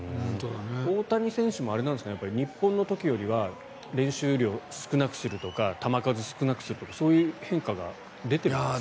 大谷選手も日本の時よりは練習量少なくするとか球数少なくするとかそういう変化が出てるんですか？